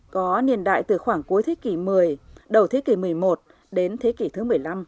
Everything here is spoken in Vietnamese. có niên đại từ khoảng cuối thế kỷ một mươi đầu thế kỷ một mươi một đến thế kỷ thứ một mươi năm